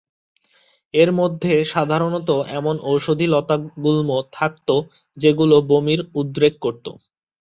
এর মধ্যে সাধারণত এমন ওষুধি লতাগুল্ম থাকত, যেগুলো বমির উদ্রেক করত।